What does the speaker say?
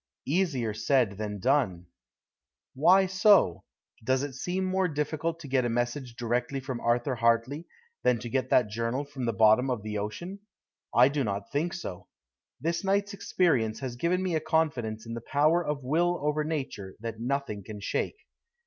"Easier said than done." "Why so? Does it seem more difficult to get a message directly from Arthur Hartley than to get that journal from the bottom of the ocean? I do not think so. This night's experience has given me a confidence in the power of will over nature that nothing can shake.